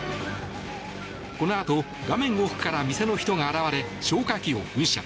このあと画面奥から店の人が現れ消火器を噴射。